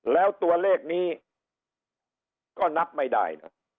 แล้วตัวเลขนี้ก็นับไม่ได้นะ